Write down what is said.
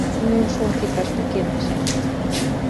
Non son cifras pequenas.